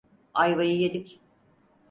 Ayvayı yedik.